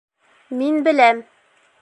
Мин беләм.